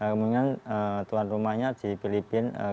kemudian tuan rumahnya di filipina